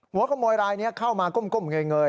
หัวขโมยรายนี้เข้ามาก้มเงย